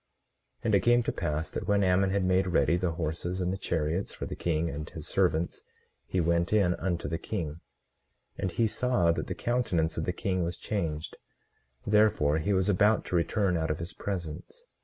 18:12 And it came to pass that when Ammon had made ready the horses and the chariots for the king and his servants, he went in unto the king, and he saw that the countenance of the king was changed; therefore he was about to return out of his presence.